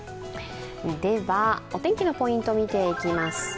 では、お天気のポイント見ていきます。